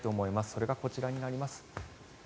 それがこちらになります。